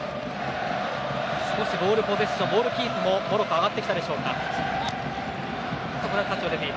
少しボールポゼッションキープ力もモロッコ上がってきたでしょうか。